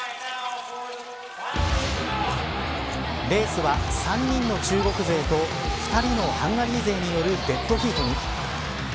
レースは３人の中国勢と２人のハンガリー勢によるデッドヒートに。